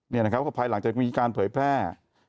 เนี่ยนะพเธอภายหลังจะมีการเผยแพร่